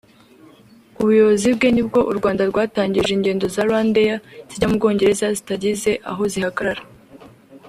Ku buyobozi bwe ni bwo u Rwanda rwatangije ingendo za Rwandair zijya mu Bwongereza zitagize aho zihagarara